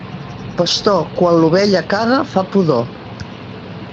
Pastor, quan l'ovella caga fa pudor.